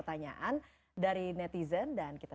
dan pengeboman di mana mana